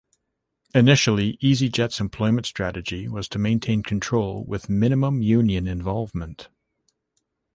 Initially, easyJet's employment strategy was to maintain control with minimal union involvement.